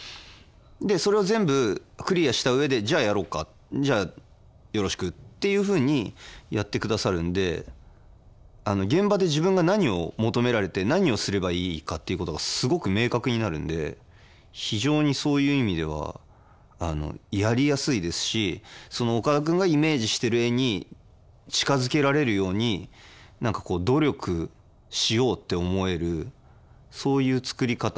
でそれを全部クリアした上でじゃあやろうかじゃあよろしくっていうふうにやってくださるんで現場で自分が何を求められて何をすればいいかっていうことがすごく明確になるんで非常にそういう意味ではやりやすいですしその岡田君がイメージしてる絵に近づけられるように何かこう努力しようって思えるそういう作り方をされる方ですね。